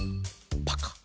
パカッ。